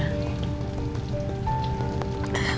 mama gak ada